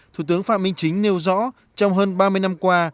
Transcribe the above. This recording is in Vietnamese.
thủ tướng phạm minh chính nêu rõ trong hơn ba mươi năm qua